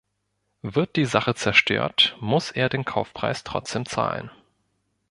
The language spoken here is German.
Wird die Sache zerstört, muss er den Kaufpreis trotzdem zahlen.